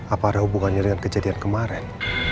apa ada hubungannya dengan kejadian kemarin